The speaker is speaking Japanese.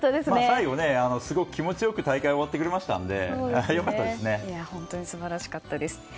最後、すごく気持ちよく大会終わってくれましたんで本当に素晴らしかったです。